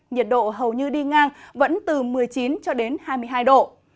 nhiệt độ hầu như đi ngang vẫn từ một mươi chín cho đến hai mươi hai độ